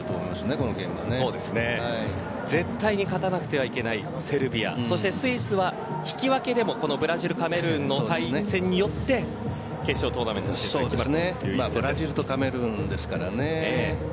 絶対に勝たなくてはいけないセルビアそしてスイスは引き分けでもこのブラジル、カメルーンの対戦によって決勝トーナメント進出が決まる